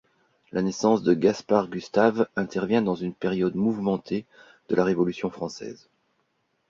La naissance de Gaspard-Gustave intervient dans une période mouvementée de la Révolution française.